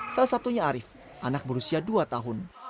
salah satunya arief anak berusia dua tahun